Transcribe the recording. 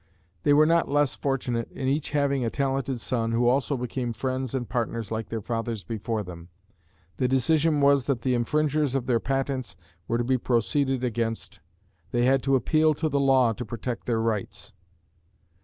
They were not less fortunate in each having a talented son, who also became friends and partners like their fathers before them. The decision was that the infringers of their patents were to be proceeded against. They had to appeal to the law to protect their rights.